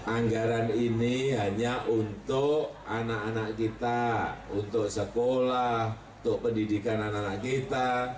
anggaran ini hanya untuk anak anak kita untuk sekolah untuk pendidikan anak anak kita